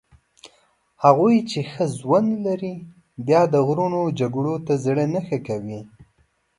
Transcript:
هغوی چې ښه ژوند لري بیا د غرونو جګړو ته زړه نه ښه کوي.